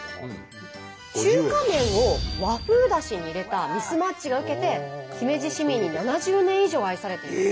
中華麺を和風だしに入れたミスマッチが受けて姫路市民に７０年以上愛されています。